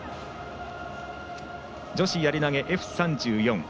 女子やり投げＦ３４